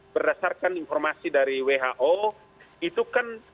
berdasarkan informasi dari who itu kan